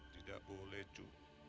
tidak boleh cu